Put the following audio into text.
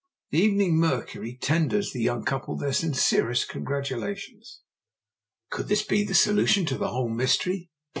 The Evening Mercury tenders the young couple their sincerest congratulations. _Could this be the solution of the whole mystery?